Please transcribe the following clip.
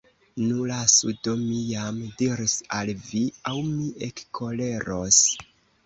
Nu, lasu do, mi jam diris al vi, aŭ mi ekkoleros.